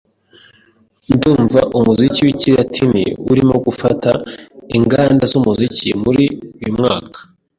Ndumva umuziki wikilatini urimo gufata inganda zumuziki muri uyumwaka.